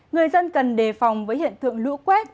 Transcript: người dân cần đề phòng với hiện tượng lũ quét